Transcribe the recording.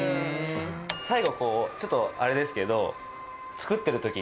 最後こうちょっとあれですけど作ってる時に。